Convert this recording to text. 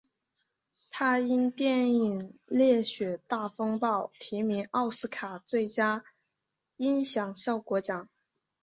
他因电影烈血大风暴提名奥斯卡最佳音响效果奖。